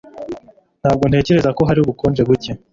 Ntabwo ntekereza ko hari ubukonje buke.